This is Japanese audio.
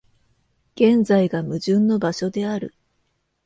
現在が矛盾の場所である。